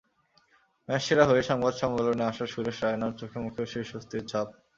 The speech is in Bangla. ম্যাচ সেরা হয়ে সংবাদ সম্মেলনে আসা সুরেশ রায়নার চোখে-মুখেও সেই স্বস্তির ছাপ।